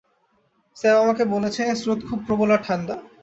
Sam আমাকে বলেছে স্রোত খুব প্রবল আর ঠান্ডা।